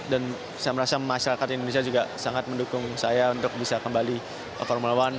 dan saya merasa masyarakat indonesia juga sangat mendukung saya untuk bisa kembali ke formula one